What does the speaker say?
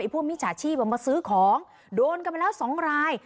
ไอ้ผู้มีชาชีพเอามาซื้อของโดนกันไปแล้วสองราย